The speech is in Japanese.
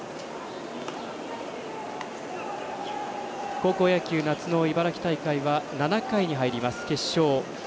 高校野球夏の茨城大会は７回に入ります、決勝。